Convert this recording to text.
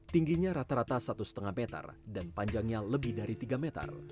tingginya rata rata satu lima meter dan panjangnya lebih dari tiga meter